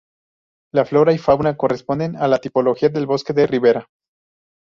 La flora y la fauna corresponden a la tipología de bosque de ribera.